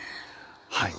はい。